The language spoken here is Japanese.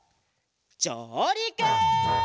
じょうりく！